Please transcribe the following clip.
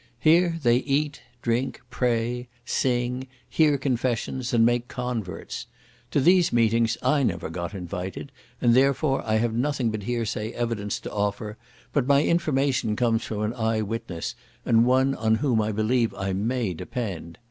Here they eat, drink, pray, sing, hear confessions, and make converts. To these meetings I never got invited, and therefore I have nothing but hearsay evidence to offer, but my information comes from an eye witness, and one on whom I believe I may depend.